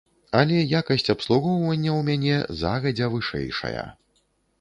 Але якасць абслугоўвання ў мяне загадзя вышэйшая.